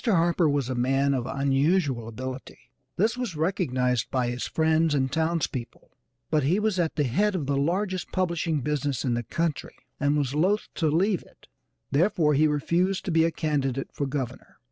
Harper was a man of unusual ability, this was recognized by his friends and towns people, but he was at the head of the largest publishing business in the country, and was loth to leave it, therefore he refused to be a candidate for Governor.